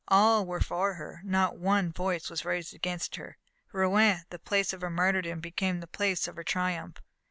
All were for her not one voice was raised against her. Rouen, the place of her martyrdom, became the place of her triumph.